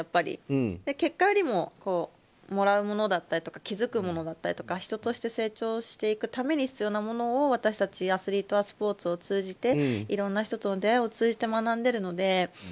結果よりも、もらうものだったり気づくものだったりとか人として成長していくために必要なものを私たちアスリートはスポーツを通じていろんな人との出会いを通じて学んでいるので。